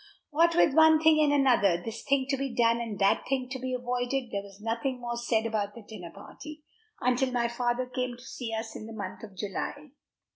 What with one thing and another, this thing to be done and that thing to be avoided, there was nothing more said about the dinner party, until my father came to see us in the month of July.